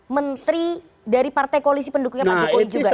menteri dari partai koalisi pendukungnya pak jokowi juga